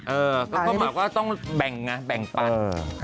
เออก็หมายความว่าต้องแบ่งนะแบ่งปัน